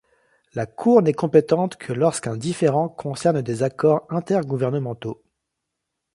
La Cour n'est compétente que lorsqu'un différend concerne des accords intergouvernementaux.